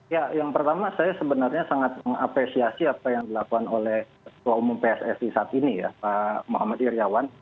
ya yang pertama saya sebenarnya sangat mengapresiasi apa yang dilakukan oleh ketua umum pssi saat ini ya pak muhammad iryawan